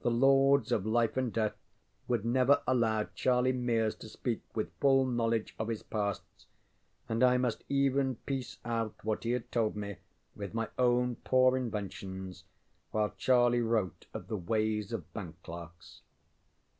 The Lords of Life and Death would never allow Charlie Mears to speak with full knowledge of his pasts, and I must even piece out what he had told me with my own poor inventions while Charlie wrote of the ways of bank clerks.